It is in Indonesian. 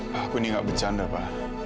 wah aku ini gak bercanda pak